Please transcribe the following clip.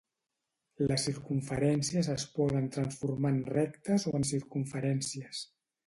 Les circumferències es poden transformar en rectes o en circumferències.